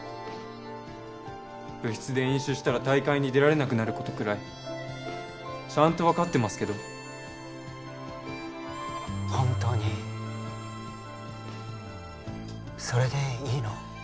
部室で飲酒したら大会に出られなくなることくらいちゃんと分かってますけど本当にそれでいいの？